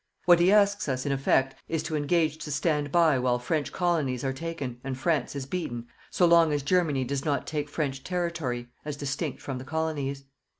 What he asks us in effect is to engage to stand by while French colonies are taken and France is beaten so long as Germany does not take French territory as distinct from the colonies.